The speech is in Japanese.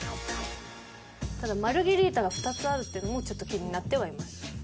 ただマルゲリータが２つあるっていうのもちょっと気になってはいます。